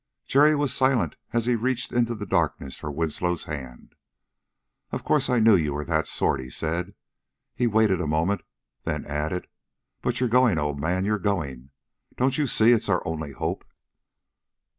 Jerry was silent as he reached in the darkness for Winslow's hand. "Of course I knew you were that sort," he said. He waited a moment, then added: "But you're going, old man, you're going. Don't you see it's our only hope?"